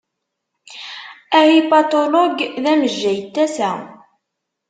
Ahipatulog d amejjay n tasa.